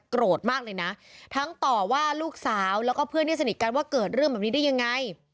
โกรธมากเลยนะทั้งต่อว่าลูกสาวแล้วก็เพื่อนที่สนิทกันว่าเกิดเรื่องแบบนี้ได้ยังไง